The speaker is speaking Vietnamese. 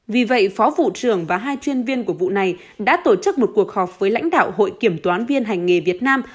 vì vậy phó vụ trưởng và hai chuyên viên của vụ này đã tổ chức một cuộc họp với lãnh đạo hội kiểm toán viên hành nghề việt nam